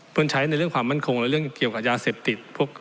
ใช้ในเรื่องความมั่นคงและเรื่องเกี่ยวกับยาเสพติด